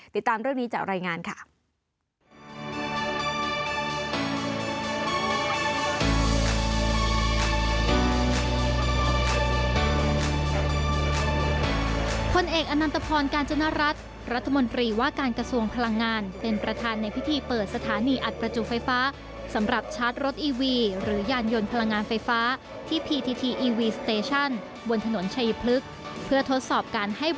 ติดตามเรื่องนี้จากรายงานค่ะ